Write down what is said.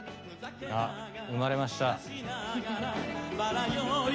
あっ生まれました。